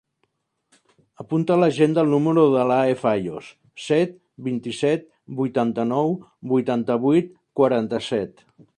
Apunta a l'agenda el número de l'Alae Fayos: set, vint-i-set, vuitanta-nou, vuitanta-vuit, quaranta-set.